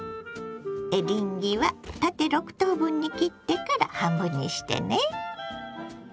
エリンギは縦６等分に切ってから半分にしてね。